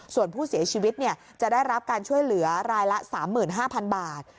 ส่วนผู้เสียชีวิตเนี่ยจะได้รับการช่วยเหลือรายละสามหมื่นห้าพันบาท